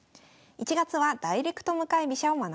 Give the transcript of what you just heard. １月はダイレクト向かい飛車を学んでいます。